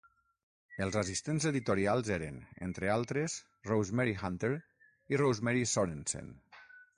Els assistents editorials eren, entre altres, Rosemary Hunter i Rosemary Sorensen.